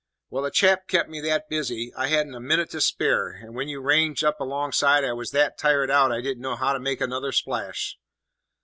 "Well, the chap kept me that busy, I hadn't a minute to spare; and when you ranged up alongside I was that tired out I didn't know how to make another splash."